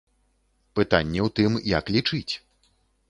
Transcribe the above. Пытанне ў тым, як лічыць.